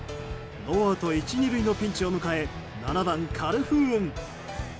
ノーアウト１、２塁のピンチを迎え７番、カルフーン。